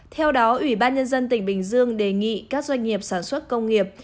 theo đó ủy ban nhân dân tỉnh bình dương đề nghị các doanh nghiệp sản xuất công nghiệp